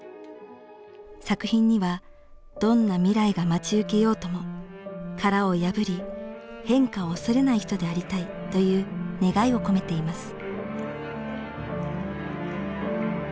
作品にはどんな未来が待ち受けようとも殻を破り変化を恐れない人でありたいという願いを込めています。